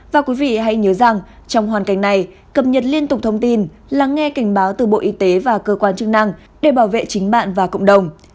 và quý vị hãy nhớ rằng trong hoàn cảnh này cập nhật liên tục thông tin lắng nghe cảnh báo từ bộ y tế và cơ quan chức năng để bảo vệ chính bạn và cộng đồng